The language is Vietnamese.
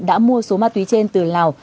đã mua số ma túy trên từ lào